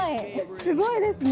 すごいですね！